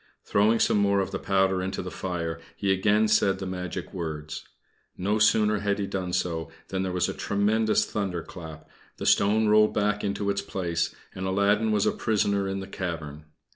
Throwing some more of the powder into the fire, he again said the magic words. No sooner had he done so than there was a tremendous thunder clap, the stone rolled back into its place, and Aladdin was a prisoner in the cavern.